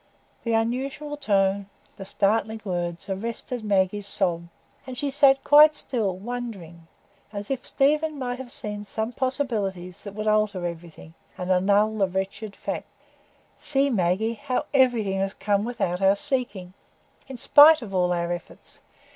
The unusual tone, the startling words, arrested Maggie's sob, and she sat quite still, wondering; as if Stephen might have seen some possibilities that would alter everything, and annul the wretched facts. "See, Maggie, how everything has come without our seeking,—in spite of all our efforts.